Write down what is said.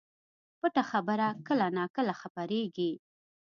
پټه خبره کله نا کله خپرېږي